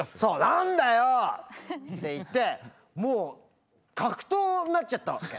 「何だよ！？」って言ってもう格闘になっちゃったわけ。